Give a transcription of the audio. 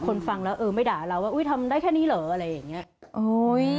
ฟังแล้วเออไม่ด่าเราว่าอุ้ยทำได้แค่นี้เหรออะไรอย่างเงี้ย